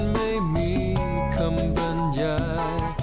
ไม่มีคำบรรยาย